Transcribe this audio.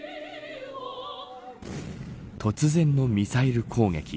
突然のミサイル攻撃。